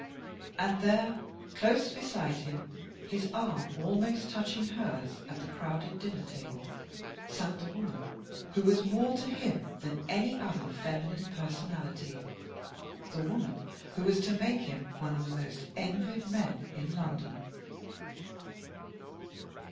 And there, close DUNLOP 8TRANQE MAKES A MISTAKE. 247 beside him, his arm almost touching hers at the crowded dinner table, sat the woman who was more to him than any other feminine personality — the woman who was to make him one of the most envied men in London.